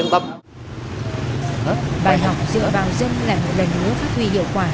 là một lần nữa phát huy hiệu quả